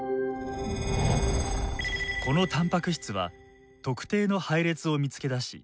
このたんぱく質は特定の配列を見つけ出し